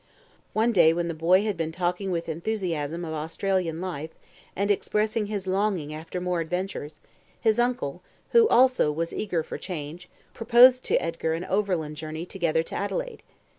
One day when the boy had been talking with enthusiasm of Australian life, and expressing his longing after more adventures, his uncle, who also was eager for change, proposed to Edgar an overland journey together to Adelaide.